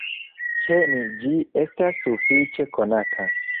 Ĉe ni ĝi estas sufiĉe konata.